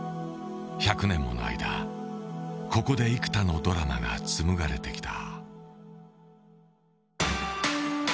１００年もの間、ここで幾多のドラマがつむがれてきた。